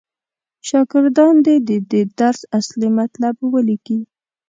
شاګردان دې د دې درس اصلي مطلب ولیکي.